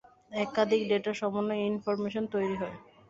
একাধিক ডেটার সমন্বয়য়ে ইনফরমেশন তৈরি হয়।